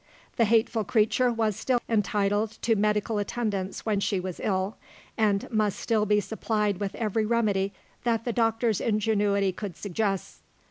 The hateful creature was still entitled to medical attendance when she was ill, and must still be supplied with every remedy that the doctor's ingenuity could suggest.